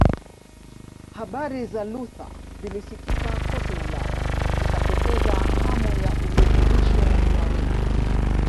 Habari za Luther zilisikika kote Ulaya zikatokeza hamu ya urekebisho ya wengi